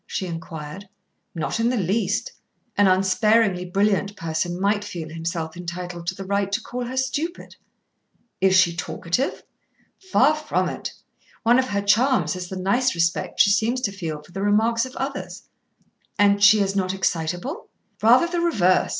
she inquired. "Not in the least. An unsparingly brilliant person might feel himself entitled to the right to call her stupid." "Is she talkative?" "Far from it. One of her charms is the nice respect she seems to feel for the remarks of others." "And she is not excitable?" "Rather the reverse.